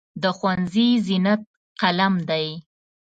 د ښوونځي زینت قلم دی.